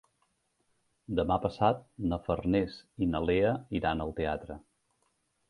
Demà passat na Farners i na Lea iran al teatre.